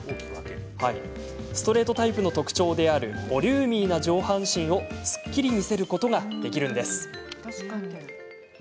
ストレートタイプの特徴であるボリューミーな上半身をすっきり見せることができるんです。